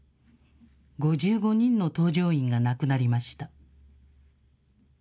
５５人の搭乗員が亡くなりました。